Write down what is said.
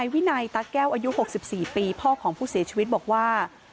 วินัยตาแก้วอายุ๖๔ปีพ่อของผู้เสียชีวิตบอกว่า